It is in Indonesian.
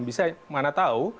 bisa mana tahu